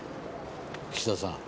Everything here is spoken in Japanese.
岸田さん